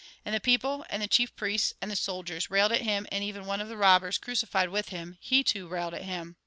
And the people, and the chief priests, and the soldiers, railed at him, and even one of the robbers crucified with him, he too railed at him.